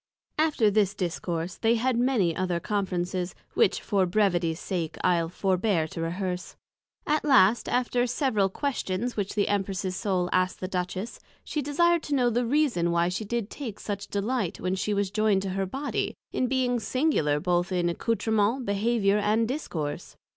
After this Discourse, they had many other Conferences, which for brevity's sake I'le forbear to rehearse. At last, after several Questions which the Empress's Soul asked the Duchess, she desired to know the reason why she did take such delight, when she was joyned to her Body, in being singular both in Accoustrements, Behaviour, and Discourse?